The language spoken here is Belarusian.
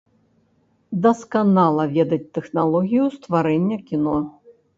Дасканала ведаць тэхналогію стварэння кіно.